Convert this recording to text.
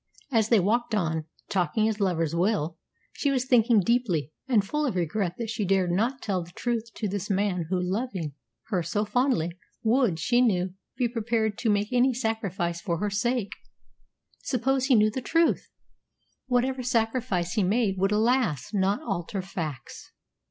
As they walked on, talking as lovers will, she was thinking deeply, and full of regret that she dared not tell the truth to this man who, loving her so fondly, would, she knew, be prepared to make any sacrifice for her sake. Suppose he knew the truth! Whatever sacrifice he made would, alas! not alter facts.